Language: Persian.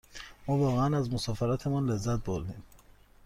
ما واقعاً از مسافرتمان لذت بردیم.